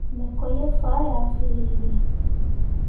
Me ko ye faa yah firere.